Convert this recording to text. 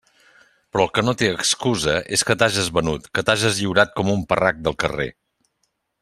Però el que no té excusa és que t'hages venut, que t'hages lliurat com un parrac del carrer.